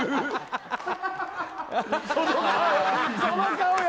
その顔！